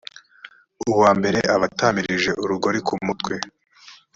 uwa mbere aba atamirije urugori ku mutwe